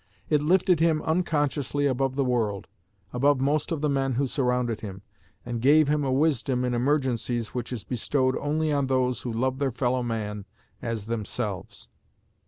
It lifted him unconsciously above the world, above most of the men who surrounded him, and gave him a wisdom in emergencies which is bestowed only on those who love their fellow man as themselves....